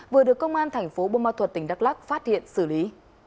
vừa được công an thành phố bô ma thuật tỉnh đắk lắc phát hiện xử lý